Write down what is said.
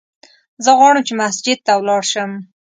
زه غواړم چې مسجد ته ولاړ سم!